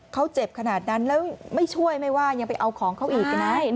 เขาเจ็บขนาดนั้นแล้วไม่ช่วยไม่ว่ายังไปเอาของเขาอีกนะ